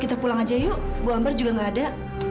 kita pulang aja yuk bu ambar juga gak ada